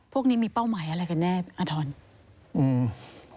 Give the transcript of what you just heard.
พวกนี้มีเป้าหมายอะไรกันแน่อาทรอืม